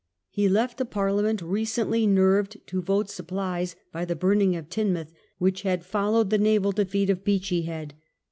He left a parlia '^' ment recently nerved to vote supplies by the burning of Teignmouth, which had followed the naval defeat of Beachy Head.